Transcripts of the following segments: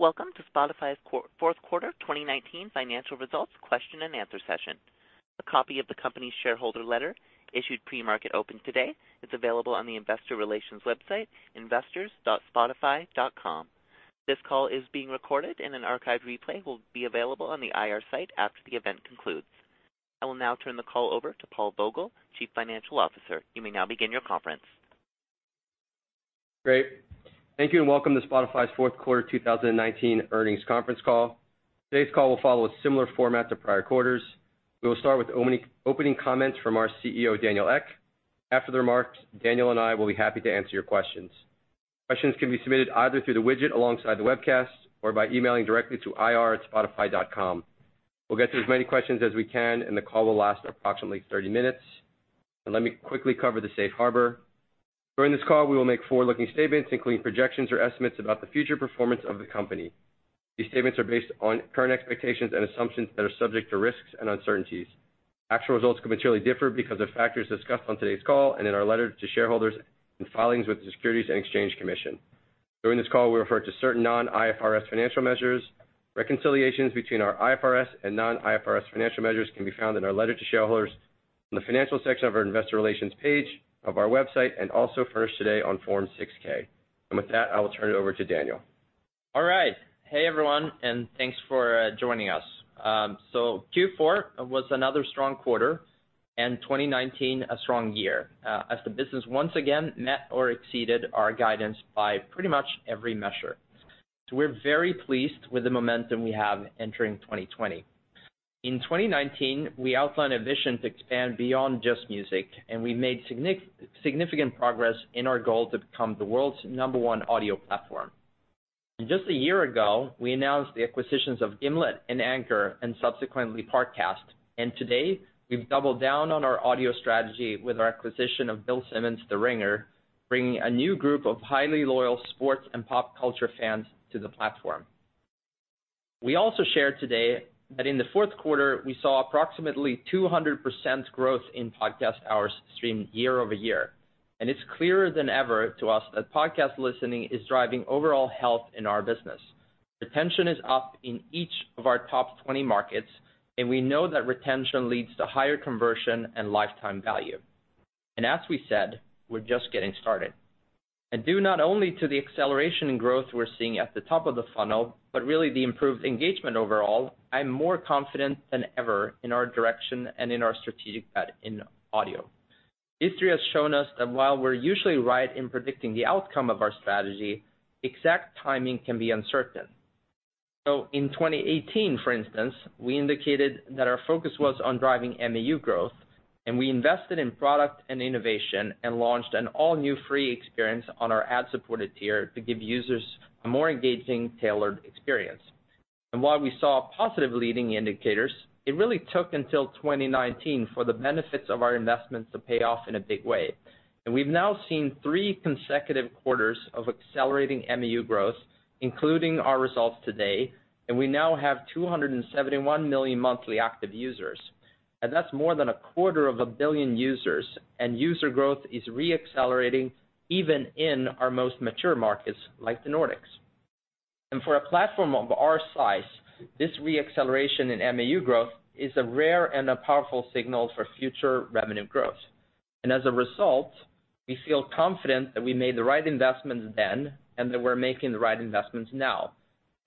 Welcome to Spotify's fourth quarter 2019 financial results question-and-answer session. A copy of the company's shareholder letter, issued pre-market open today, is available on the investor relations website, investors.spotify.com. This call is being recorded and an archived replay will be available on the IR site after the event concludes. I will now turn the call over to Paul Vogel, Chief Financial Officer. You may now begin your conference. Great. Thank you, and welcome to Spotify's fourth quarter 2019 earnings conference call. Today's call will follow a similar format to prior quarters. We will start with opening comments from our CEO, Daniel Ek. After the remarks, Daniel Ek and I will be happy to answer your questions. Questions can be submitted either through the widget alongside the webcast or by emailing directly to ir@spotify.com. We'll get to as many questions as we can, and the call will last approximately 30 minutes. Let me quickly cover the safe harbor. During this call, we will make forward-looking statements, including projections or estimates about the future performance of the company. These statements are based on current expectations and assumptions that are subject to risks and uncertainties. Actual results could materially differ because of factors discussed on today's call and in our letter to shareholders and filings with the Securities and Exchange Commission. During this call, we refer to certain non-IFRS financial measures. Reconciliations between our IFRS and non-IFRS financial measures can be found in our letter to shareholders, in the Financial section of our Investor Relations page of our website, and also for us today on Form 6-K. With that, I will turn it over to Daniel Ek. All right. Hey, everyone, and thanks for joining us. Q4 was another strong quarter, and 2019 a strong year, as the business once again met or exceeded our guidance by pretty much every measure. We're very pleased with the momentum we have entering 2020. In 2019, we outlined a vision to expand beyond just music, and we made significant progress in our goal to become the world's number one audio platform. Just one year ago, we announced the acquisitions of Gimlet and Anchor, and subsequently Parcast. Today, we've doubled down on our audio strategy with our acquisition of Bill Simmons' The Ringer, bringing a new group of highly loyal sports and pop culture fans to the platform. We also shared today that in the fourth quarter, we saw approximately 200% growth in podcast hours streamed year-over-year. It's clearer than ever to us that podcast listening is driving overall health in our business. Retention is up in each of our top 20 markets. We know that retention leads to higher conversion and lifetime value. As we said, we're just getting started. Due not only to the acceleration in growth we're seeing at the top of the funnel, but really the improved engagement overall, I'm more confident than ever in our direction and in our strategic bet in audio. History has shown us that while we're usually right in predicting the outcome of our strategy, exact timing can be uncertain. In 2018, for instance, we indicated that our focus was on driving MAU growth, and we invested in product and innovation and launched an all-new free experience on our ad-supported tier to give users a more engaging, tailored experience. While we saw positive leading indicators, it really took until 2019 for the benefits of our investments to pay off in a big way. We've now seen three consecutive quarters of accelerating MAU growth, including our results today, and we now have 271 million monthly active users. That's more than a quarter of a billion users, and user growth is re-accelerating even in our most mature markets, like the Nordics. For a platform of our size, this re-acceleration in MAU growth is a rare and a powerful signal for future revenue growth. As a result, we feel confident that we made the right investments then and that we're making the right investments now.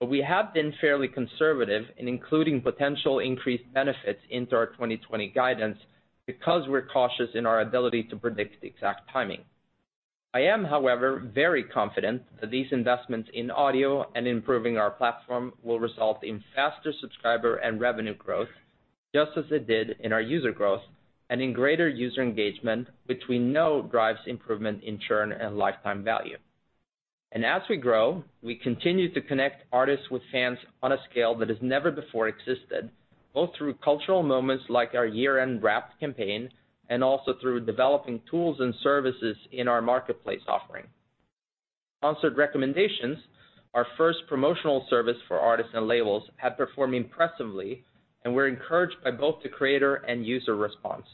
We have been fairly conservative in including potential increased benefits into our 2020 guidance because we're cautious in our ability to predict the exact timing. I am, however, very confident that these investments in audio and improving our platform will result in faster subscriber and revenue growth, just as it did in our user growth, and in greater user engagement, which we know drives improvement in churn and lifetime value. As we grow, we continue to connect artists with fans on a scale that has never before existed, both through cultural moments like our year-end Wrapped campaign and also through developing tools and services in our marketplace offering. Sponsored Recommendations, our first promotional service for artists and labels, have performed impressively, and we're encouraged by both the creator and user response.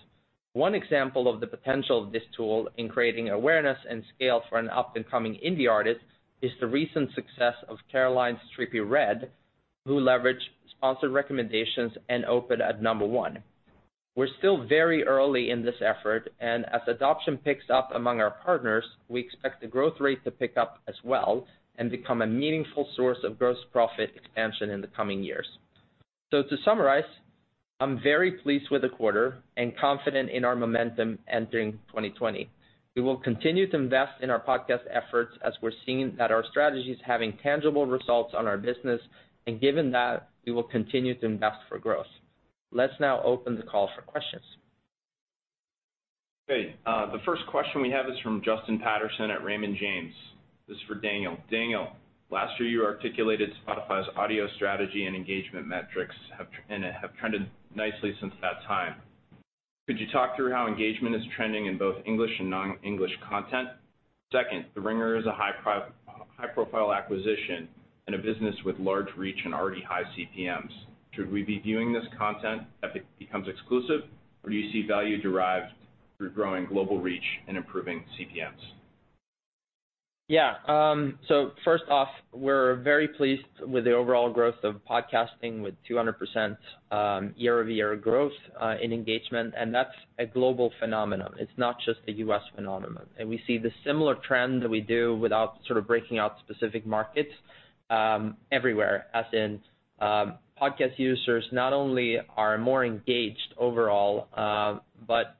One example of the potential of this tool in creating awareness and scale for an up-and-coming indie artist is the recent success of Caroline's Trippie Redd, who leveraged Sponsored Recommendations and opened at number one. We're still very early in this effort, and as adoption picks up among our partners, we expect the growth rate to pick up as well and become a meaningful source of gross profit expansion in the coming years. To summarize, I'm very pleased with the quarter and confident in our momentum entering 2020. We will continue to invest in our podcast efforts as we're seeing that our strategy is having tangible results on our business, and given that, we will continue to invest for growth. Let's now open the call for questions. Great. The first question we have is from Justin Patterson at Raymond James. This is for Daniel Ek. Daniel Ek, last year you articulated Spotify's audio strategy and engagement metrics, and it have trended nicely since that time. Could you talk through how engagement is trending in both English and non-English content? Second, The Ringer is a high-profile acquisition and a business with large reach and already high CPMs. Should we be viewing this content if it becomes exclusive, or do you see value derived? We're growing global reach and improving CPMs. Yeah. First off, we're very pleased with the overall growth of podcasting, with 200% year-over-year growth in engagement, and that's a global phenomenon. It's not just a U.S. phenomenon. We see the similar trend that we do without sort of breaking out specific markets everywhere, as in podcast users not only are more engaged overall, but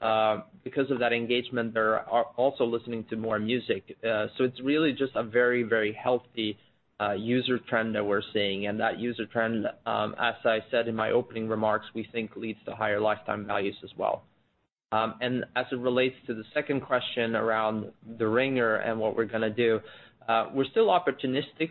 because of that engagement, they're also listening to more music. It's really just a very, very healthy user trend that we're seeing, and that user trend, as I said in my opening remarks, we think leads to higher lifetime values as well. As it relates to the second question around The Ringer and what we're going to do, we're still opportunistic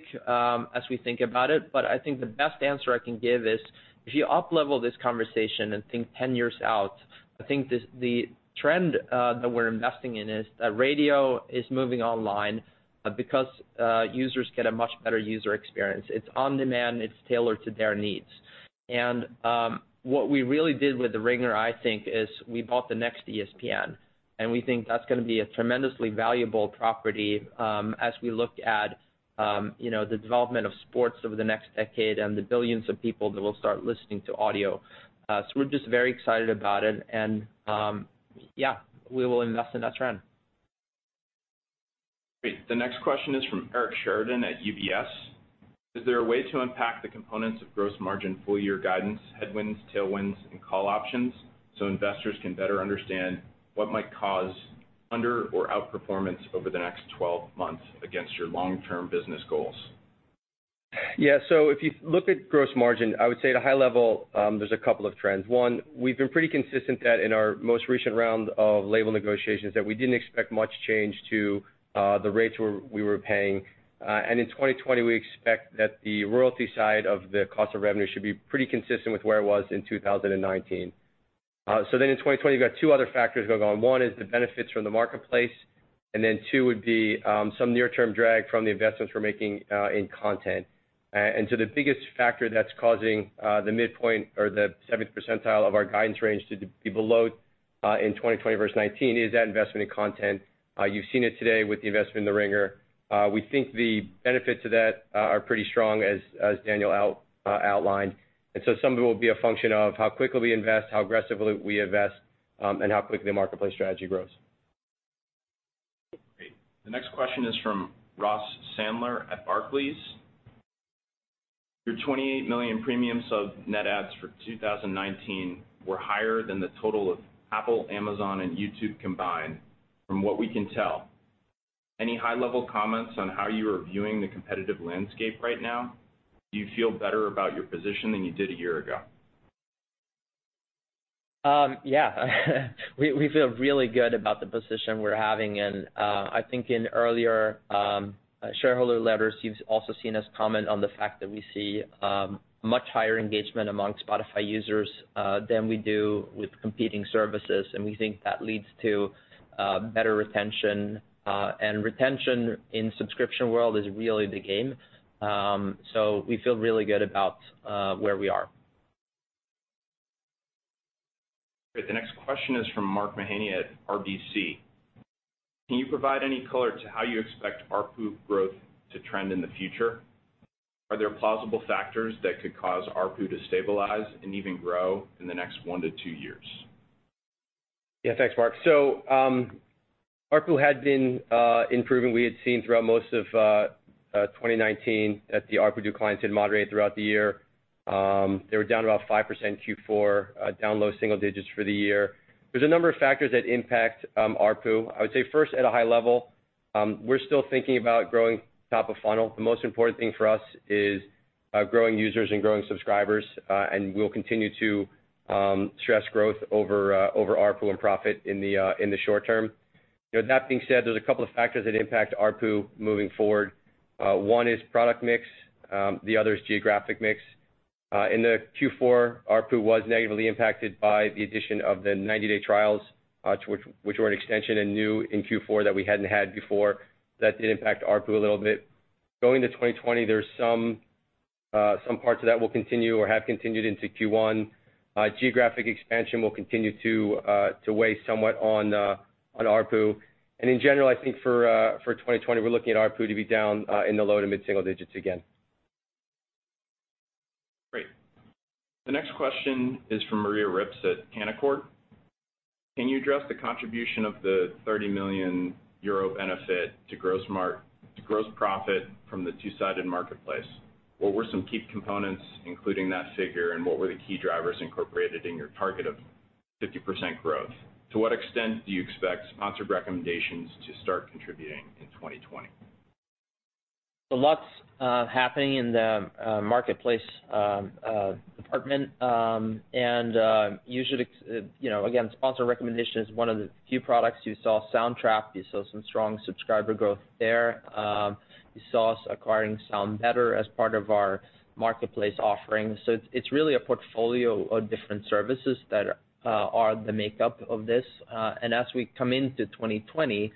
as we think about it, but I think the best answer I can give is if you up-level this conversation and think 10 years out, I think the trend that we're investing in is that radio is moving online because users get a much better user experience. It's on demand, it's tailored to their needs. What we really did with The Ringer, I think, is we bought the next ESPN, and we think that's going to be a tremendously valuable property as we look at the development of sports over the next decade and the billions of people that will start listening to audio. We're just very excited about it, and yeah, we will invest in that trend. Great. The next question is from Eric Sheridan at UBS. Is there a way to unpack the components of gross margin full-year guidance, headwinds, tailwinds, and call options so investors can better understand what might cause under or outperformance over the next 12 months against your long-term business goals? Yeah. If you look at gross margin, I would say at a high level, there's a couple of trends. One, we've been pretty consistent that in our most recent round of label negotiations, that we didn't expect much change to the rates we were paying. In 2020, we expect that the royalty side of the cost of revenue should be pretty consistent with where it was in 2019. In 2020, you've got two other factors going on. One is the benefits from the marketplace, two would be some near-term drag from the investments we're making in content. The biggest factor that's causing the midpoint or the 70th percentile of our guidance range to be below in 2020 versus 2019 is that investment in content. You've seen it today with the investment in The Ringer. We think the benefits of that are pretty strong, as Daniel Ek outlined. Some of it will be a function of how quickly we invest, how aggressively we invest, and how quickly the marketplace strategy grows. Great. The next question is from Ross Sandler at Barclays. Your 28 million premium sub net adds for 2019 were higher than the total of Apple, Amazon, and YouTube combined, from what we can tell. Any high-level comments on how you are viewing the competitive landscape right now? Do you feel better about your position than you did a year ago? Yeah. We feel really good about the position we're having, and I think in earlier shareholder letters, you've also seen us comment on the fact that we see much higher engagement among Spotify users than we do with competing services, and we think that leads to better retention. Retention in subscription world is really the game. We feel really good about where we are. Great. The next question is from Mark Mahaney at RBC. Can you provide any color to how you expect ARPU growth to trend in the future? Are there plausible factors that could cause ARPU to stabilize and even grow in the next one to two years? Thanks, Mark Mahaney. ARPU had been improving. We had seen throughout most of 2019 that the ARPU declines had moderated throughout the year. They were down about 5% Q4, down low single digits for the year. There's a number of factors that impact ARPU. I would say first, at a high level, we're still thinking about growing top of funnel. The most important thing for us is growing users and growing subscribers, and we'll continue to stress growth over ARPU and profit in the short term. That being said, there's a couple of factors that impact ARPU moving forward. One is product mix, the other is geographic mix. In the Q4, ARPU was negatively impacted by the addition of the 90-day trials, which were an extension and new in Q4 that we hadn't had before. That did impact ARPU a little bit. Going into 2020, there's some parts of that will continue or have continued into Q1. Geographic expansion will continue to weigh somewhat on ARPU. In general, I think for 2020, we're looking at ARPU to be down in the low to mid-single digits again. Great. The next question is from Maria Ripps at Canaccord. Can you address the contribution of the 30 million euro benefit to gross profit from the two-sided marketplace? What were some key components, including that figure, and what were the key drivers incorporated in your target of 50% growth? To what extent do you expect Sponsored Recommendations to start contributing in 2020? Lots happening in the marketplace department. Usually, again, Sponsored Recommendation is one of the few products. You saw Soundtrap, you saw some strong subscriber growth there. You saw us acquiring SoundBetter as part of our marketplace offerings. It's really a portfolio of different services that are the makeup of this. As we come into 2020,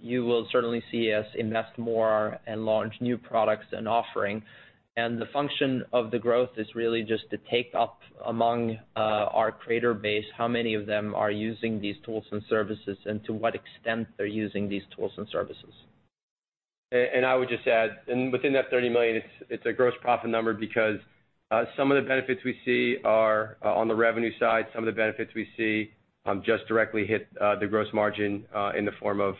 you will certainly see us invest more and launch new products and offering. The function of the growth is really just to take up among our creator base, how many of them are using these tools and services, and to what extent they're using these tools and services. I would just add, within that 30 million, it's a gross profit number because some of the benefits we see are on the revenue side, some of the benefits we see just directly hit the gross margin in the form of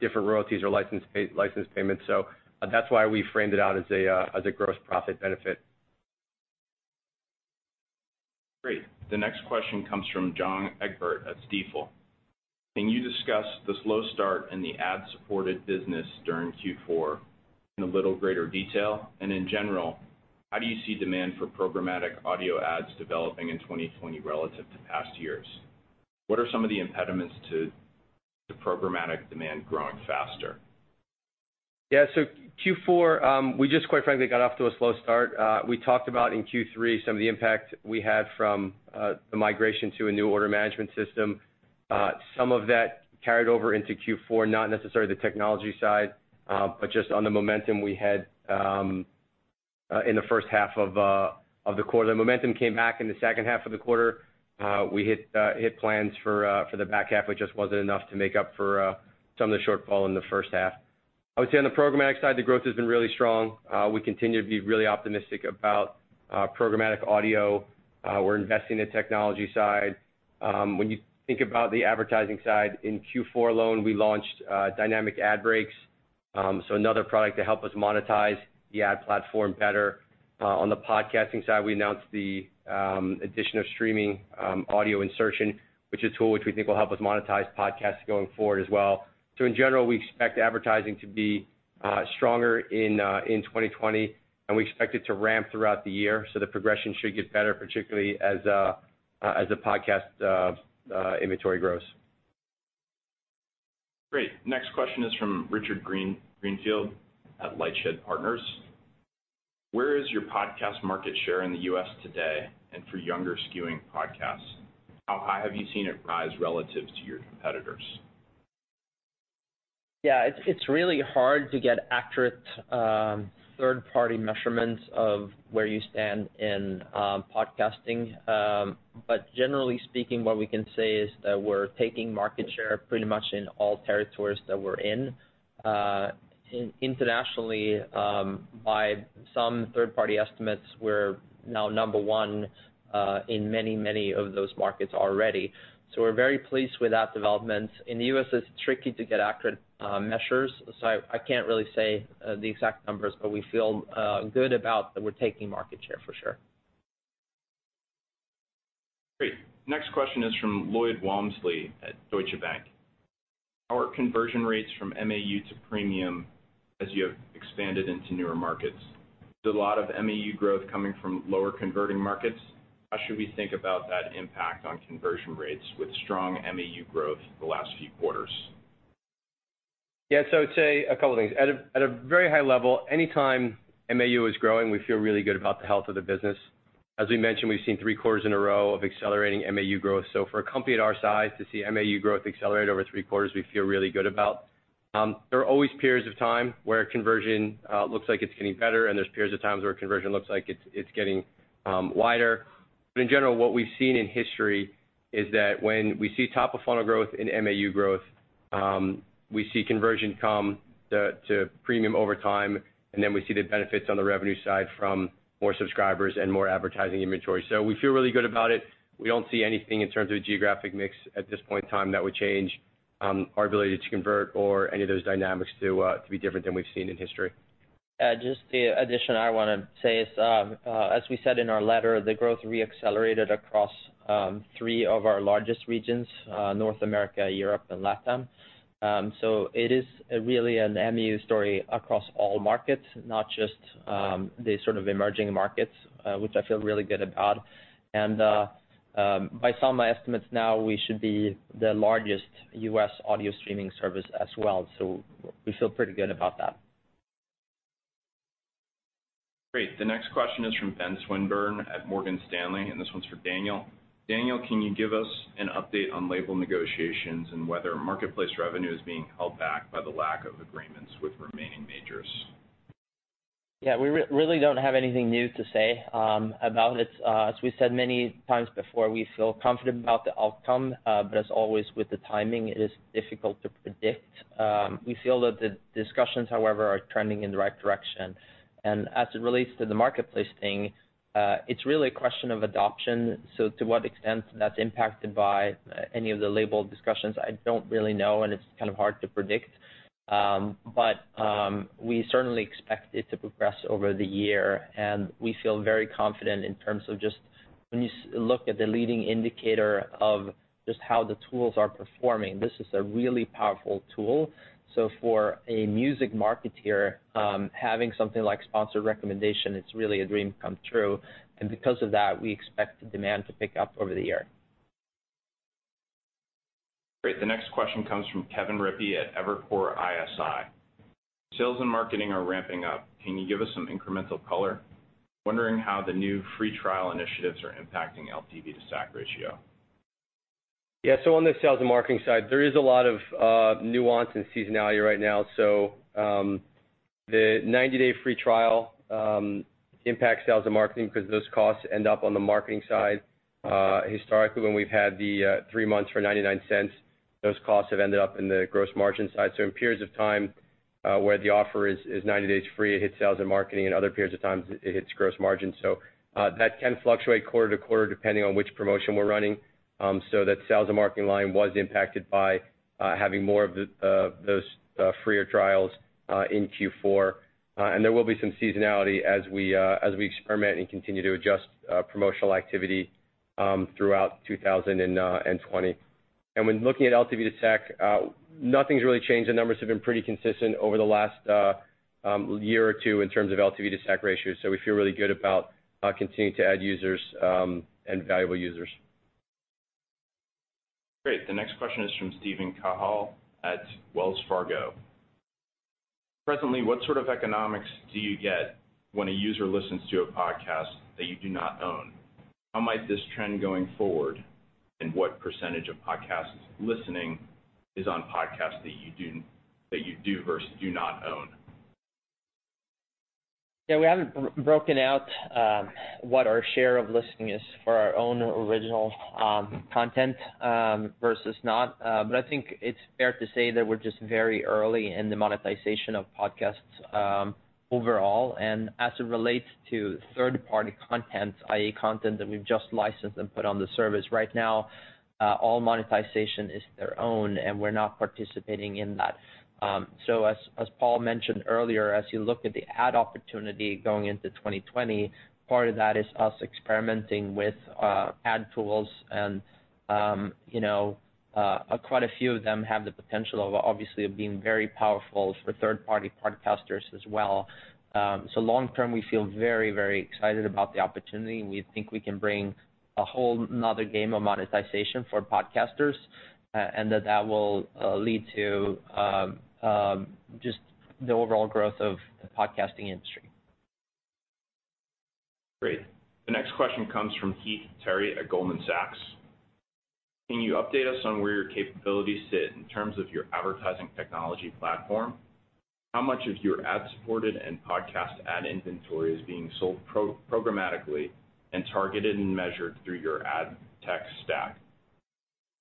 different royalties or license payments. That's why we framed it out as a gross profit benefit. Great. The next question comes from John Egbert at Stifel. Can you discuss the slow start in the ad-supported business during Q4 in a little greater detail? In general, how do you see demand for programmatic audio ads developing in 2020 relative to past years? What are some of the impediments to programmatic demand growing faster? Yeah. Q4, we just quite frankly got off to a slow start. We talked about in Q3 some of the impact we had from the migration to a new order management system. Some of that carried over into Q4, not necessarily the technology side, but just on the momentum we had in the first half of the quarter. The momentum came back in the second half of the quarter. We hit plans for the back half. It just wasn't enough to make up for some of the shortfall in the first half. I would say on the programmatic side, the growth has been really strong. We continue to be really optimistic about programmatic audio. We're investing in technology side. When you think about the advertising side, in Q4 alone, we launched Dynamic Ad Breaks. Another product to help us monetize the ad platform better. On the podcasting side, we announced the addition of Streaming Ad Insertion, which is a tool which we think will help us monetize podcasts going forward as well. In general, we expect advertising to be stronger in 2020, and we expect it to ramp throughout the year. The progression should get better, particularly as podcast inventory grows. Great. Next question is from Richard Greenfield at LightShed Partners. Where is your podcast market share in the U.S. today, and for younger skewing podcasts? How high have you seen it rise relative to your competitors? Yeah. It's really hard to get accurate third-party measurements of where you stand in podcasting. Generally speaking, what we can say is that we're taking market share pretty much in all territories that we're in. Internationally, by some third-party estimates, we're now number one in many of those markets already. We're very pleased with that development. In the U.S., it's tricky to get accurate measures, so I can't really say the exact numbers, but we feel good about that we're taking market share, for sure. Great. Next question is from Lloyd Walmsley at Deutsche Bank. How are conversion rates from MAU to premium as you have expanded into newer markets? Is a lot of MAU growth coming from lower converting markets? How should we think about that impact on conversion rates with strong MAU growth the last few quarters? I'd say a couple of things. At a very high level, anytime MAU is growing, we feel really good about the health of the business. As we mentioned, we've seen three quarters in a row of accelerating MAU growth. For a company at our size to see MAU growth accelerate over three quarters, we feel really good about. There are always periods of time where conversion looks like it's getting better, and there's periods of times where conversion looks like it's getting wider. In general, what we've seen in history is that when we see top of funnel growth and MAU growth, we see conversion come to premium over time, and then we see the benefits on the revenue side from more subscribers and more advertising inventory. We feel really good about it. We don't see anything in terms of a geographic mix at this point in time that would change our ability to convert or any of those dynamics to be different than we've seen in history. Just the addition I want to say is, as we said in our letter, the growth re-accelerated across three of our largest regions, North America, Europe, and LATAM. It is really an MAU story across all markets, not just the sort of emerging markets, which I feel really good about. By some estimates now, we should be the largest U.S. audio streaming service as well. We feel pretty good about that. Great. The next question is from Benjamin Swinburne at Morgan Stanley, and this one's for Daniel Ek. Daniel Ek, can you give us an update on label negotiations and whether marketplace revenue is being held back by the lack of agreements with remaining majors? Yeah, we really don't have anything new to say about it. As we said many times before, we feel confident about the outcome. As always with the timing, it is difficult to predict. We feel that the discussions, however, are trending in the right direction. As it relates to the marketplace thing, it's really a question of adoption. To what extent that's impacted by any of the label discussions, I don't really know, and it's kind of hard to predict. We certainly expect it to progress over the year, and we feel very confident in terms of just when you look at the leading indicator of just how the tools are performing. This is a really powerful tool. For a music marketer, having something like Sponsored Recommendation, it's really a dream come true, and because of that, we expect the demand to pick up over the year. Great. The next question comes from Kevin Rippey at Evercore ISI. Sales and marketing are ramping up. Can you give us some incremental color? Wondering how the new free trial initiatives are impacting LTV to CAC ratio. On the sales and marketing side, there is a lot of nuance and seasonality right now. The 90-day free trial impacts sales and marketing because those costs end up on the marketing side. Historically, when we've had the three months for 0.99, those costs have ended up in the gross margin side. In periods of time where the offer is 90 days free, it hits sales and marketing, and other periods of times, it hits gross margin. That can fluctuate quarte-to-quarter depending on which promotion we're running. That sales and marketing line was impacted by having more of those freer trials in Q4. There will be some seasonality as we experiment and continue to adjust promotional activity throughout 2020. When looking at LTV to CAC, nothing's really changed. The numbers have been pretty consistent over the last year or two in terms of LTV to CAC ratios. We feel really good about continuing to add users and valuable users. Great. The next question is from Steven Cahall at Wells Fargo. Presently, what sort of economics do you get when a user listens to a podcast that you do not own? How might this trend going forward, and what percentage of podcast listening is on podcasts that you do versus do not own? Yeah, we haven't broken out what our share of listening is for our own original content versus not. I think it's fair to say that we're just very early in the monetization of podcasts overall. As it relates to third-party content, i.e. content that we've just licensed and put on the service, right now, all monetization is their own, and we're not participating in that. As Paul Vogel mentioned earlier, as you look at the ad opportunity going into 2020, part of that is us experimenting with ad tools and quite a few of them have the potential, obviously, of being very powerful for third-party podcasters as well. Long term, we feel very excited about the opportunity, and we think we can bring a whole another game of monetization for podcasters, and that will lead to just the overall growth of the podcasting industry. Great. The next question comes from Heath Terry at Goldman Sachs. Can you update us on where your capabilities sit in terms of your advertising technology platform? How much of your ad-supported and podcast ad inventory is being sold programmatically and targeted and measured through your ad tech stack?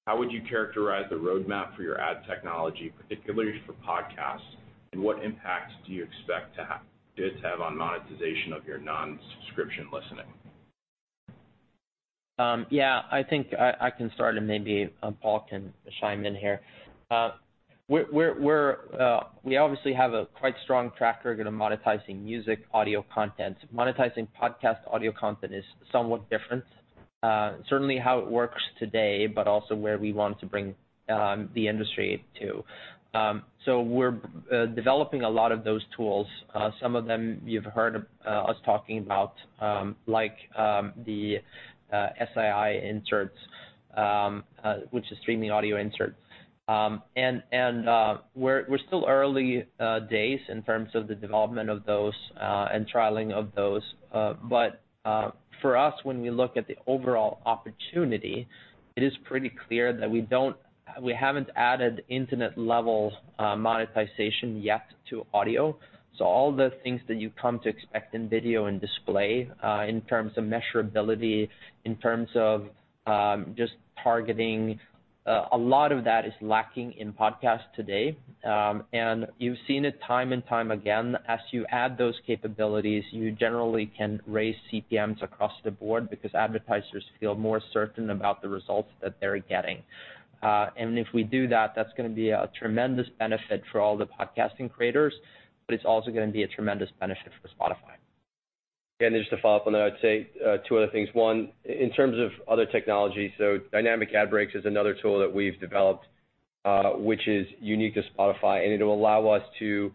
How would you characterize the roadmap for your ad technology, particularly for podcasts, and what impact do you expect this to have on monetization of your non-subscription listening? Yeah, I think I can start, and maybe Paul Vogel can chime in here. We obviously have a quite strong track record of monetizing music audio content. Monetizing podcast audio content is somewhat different. Certainly how it works today, but also where we want to bring the industry to. We're developing a lot of those tools. Some of them you've heard us talking about, like the SAI inserts, which is streaming audio inserts. We're still early days in terms of the development of those and trialing of those. For us, when we look at the overall opportunity, it is pretty clear that we haven't added internet-level monetization yet to audio. All the things that you've come to expect in video and display, in terms of measurability, in terms of just targeting, a lot of that is lacking in podcasts today. You've seen it time and time again. As you add those capabilities, you generally can raise CPMs across the board because advertisers feel more certain about the results that they're getting. If we do that's going to be a tremendous benefit for all the podcasting creators, but it's also going to be a tremendous benefit for Spotify. Just to follow up on that, I'd say two other things. One, in terms of other technology, so Dynamic Ad Breaks is another tool that we've developed, which is unique to Spotify, and it'll allow us to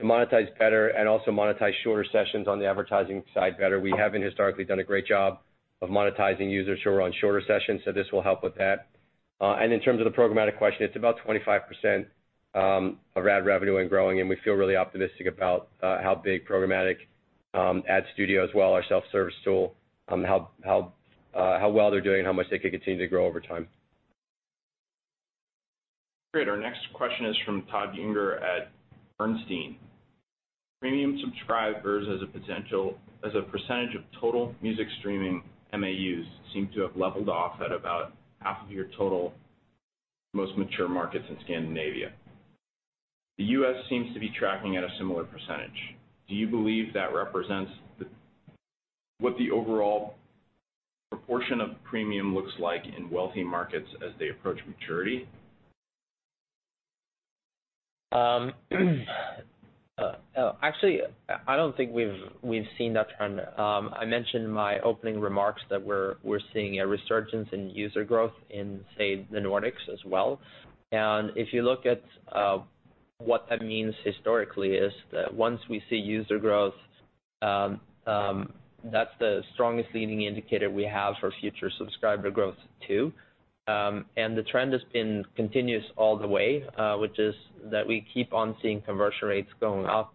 monetize better and also monetize shorter sessions on the advertising side better. We haven't historically done a great job of monetizing users who are on shorter sessions, so this will help with that. In terms of the programmatic question, it's about 25% of ad revenue and growing, and we feel really optimistic about how big programmatic Ad Studio as well, our self-service tool, how well they're doing and how much they could continue to grow over time. Great. Our next question is from Todd Juenger at Bernstein. Premium subscribers as a percentage of total music streaming MAUs seem to have leveled off at about half of your total most mature markets in Scandinavia. The U.S. seems to be tracking at a similar percentage. Do you believe that represents what the overall proportion of premium looks like in wealthy markets as they approach maturity? Actually, I don't think we've seen that trend. I mentioned in my opening remarks that we're seeing a resurgence in user growth in, say, the Nordics as well. If you look at what that means historically, is that once we see user growth, that's the strongest leading indicator we have for future subscriber growth, too. The trend has been continuous all the way, which is that we keep on seeing conversion rates going up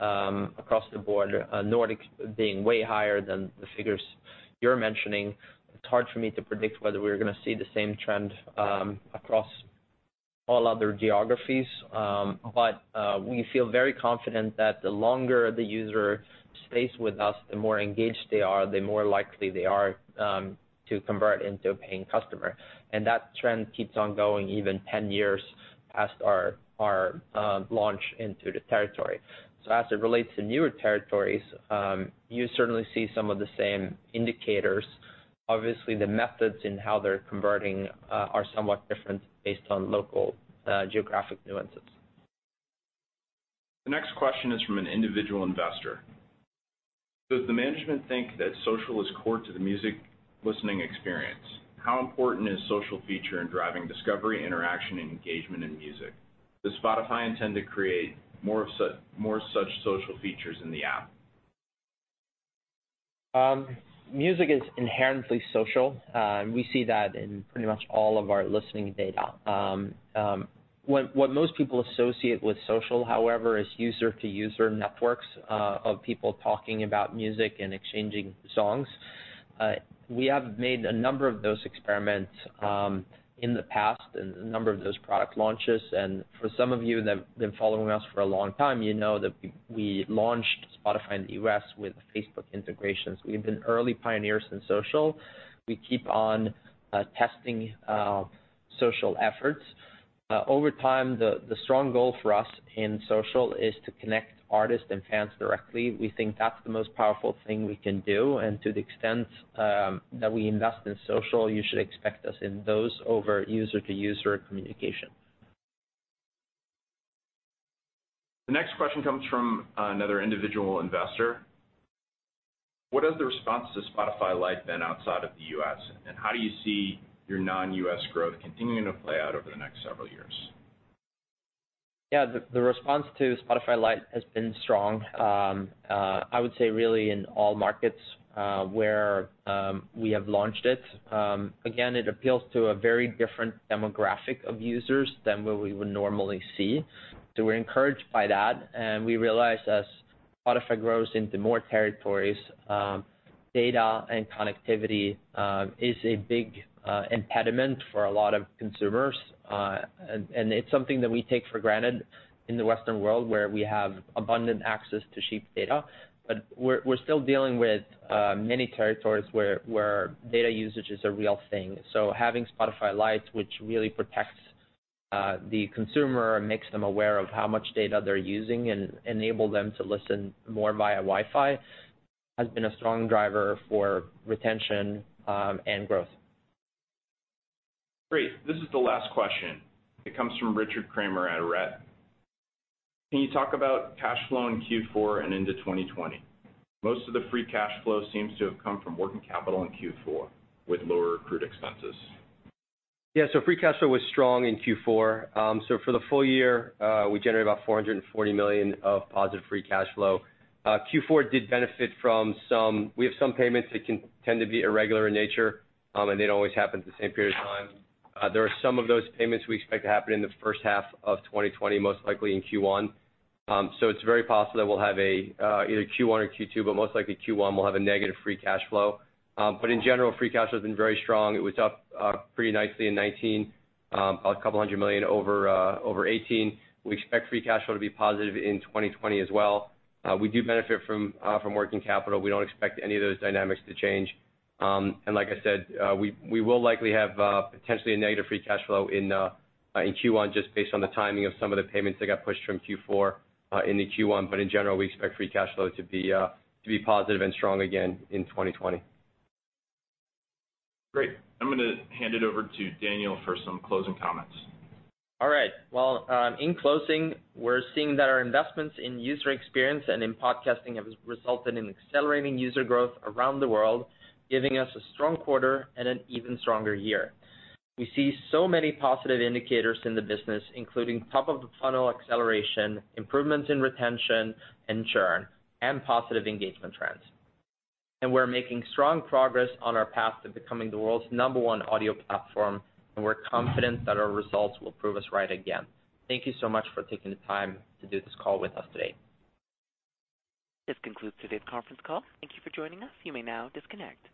across the board, Nordics being way higher than the figures you're mentioning. It's hard for me to predict whether we're going to see the same trend across all other geographies. We feel very confident that the longer the user stays with us, the more engaged they are, the more likely they are to convert into a paying customer. That trend keeps on going even 10 years past our launch into the territory. As it relates to newer territories, you certainly see some of the same indicators. Obviously, the methods in how they're converting are somewhat different based on local geographic nuances. The next question is from an individual investor. Does the management think that social is core to the music listening experience? How important is social feature in driving discovery, interaction, and engagement in music? Does Spotify intend to create more such social features in the app? Music is inherently social, and we see that in pretty much all of our listening data. What most people associate with social, however, is user-to-user networks of people talking about music and exchanging songs. We have made a number of those experiments in the past, and a number of those product launches. For some of you that have been following us for a long time, you know that we launched Spotify in the U.S. with Facebook integrations. We've been early pioneers in social. We keep on testing social efforts. Over time, the strong goal for us in social is to connect artists and fans directly. We think that's the most powerful thing we can do, and to the extent that we invest in social, you should expect us in those over user-to-user communication. The next question comes from another individual investor. What has the response to Spotify Lite been outside of the U.S., and how do you see your non-U.S. growth continuing to play out over the next several years? Yeah, the response to Spotify Lite has been strong. I would say, really, in all markets where we have launched it. It appeals to a very different demographic of users than what we would normally see. We're encouraged by that, we realize as Spotify grows into more territories, data and connectivity is a big impediment for a lot of consumers. It's something that we take for granted in the Western world, where we have abundant access to cheap data. We're still dealing with many territories where data usage is a real thing. Having Spotify Lite, which really protects the consumer and makes them aware of how much data they're using and enable them to listen more via Wi-Fi, has been a strong driver for retention and growth. Great. This is the last question. It comes from Richard Kramer at Arete. Can you talk about cash flow in Q4 and into 2020? Most of the free cash flow seems to have come from working capital in Q4 with lower accrued expenses. Yeah. Free cash flow was strong in Q4. For the full year, we generated about 440 million of positive free cash flow. Q4 did benefit from some We have some payments that can tend to be irregular in nature, and they don't always happen at the same period of time. There are some of those payments we expect to happen in the first half of 2020, most likely in Q1. It's very possible that we'll have either Q1 or Q2, but most likely Q1, we'll have a negative free cash flow. In general, free cash flow has been very strong. It was up pretty nicely in 2019, a couple hundred million EUR over 2018. We expect free cash flow to be positive in 2020 as well. We do benefit from working capital. We don't expect any of those dynamics to change. Like I said, we will likely have potentially a negative free cash flow in Q1, just based on the timing of some of the payments that got pushed from Q4 into Q1. In general, we expect free cash flow to be positive and strong again in 2020. Great. I'm going to hand it over to Daniel Ek for some closing comments. All right. Well, in closing, we're seeing that our investments in user experience and in podcasting have resulted in accelerating user growth around the world, giving us a strong quarter and an even stronger year. We see so many positive indicators in the business, including top-of-the-funnel acceleration, improvements in retention and churn, and positive engagement trends. We're making strong progress on our path to becoming the world's number one audio platform, and we're confident that our results will prove us right again. Thank you so much for taking the time to do this call with us today. This concludes today's conference call. Thank you for joining us. You may now disconnect.